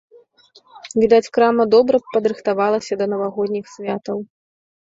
Відаць, крама добра падрыхтавалася да навагодніх святаў.